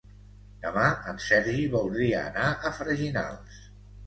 Demà en Sergi voldria anar a Freginals.